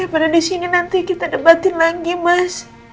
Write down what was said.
udah pada disini nanti kita debatin lagi mas